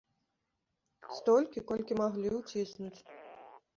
Столькі, колькі маглі ўціснуць.